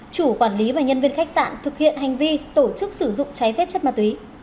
chủ quản lý và nhân viên khách sạn thực hiện hành vi tổ chức sử dụng trái phép chất ma túy